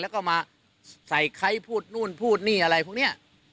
แล้วก็มาใส่ไคร้พูดนู่นพูดนี่อะไรพวกนี้